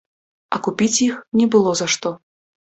А купіць іх не было за што.